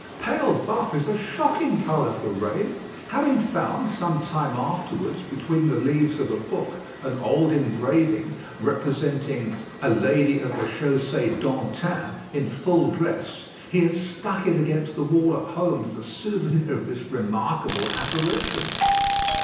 Pale buff is a shocking colour for rain." Having found, some time afterwards, between the leaves of a book, an old engraving, representing "a lady of the Chaussée d'Antin" in full dress, he had stuck it against the wall at home as a souvenir of this remarkable apparition.